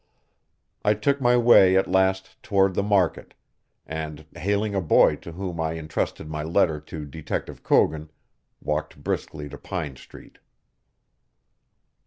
I took my way at last toward the market, and, hailing a boy to whom I intrusted my letter to Detective Coogan, walked briskly to Pine Street.